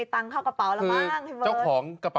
ถูกต้องค่ะ